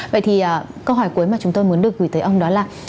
vậy thì câu hỏi cuối mà chúng tôi muốn được gửi tới ông đó là